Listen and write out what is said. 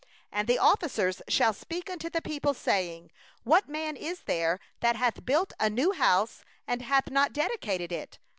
5And the officers shall speak unto the people, saying: 'What man is there that hath built a new house, and hath not dedicated it?